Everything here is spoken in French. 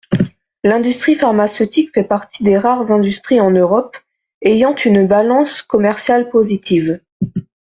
L’industrie pharmaceutique fait partie des rares industries en Europe ayant une balance commerciale positive.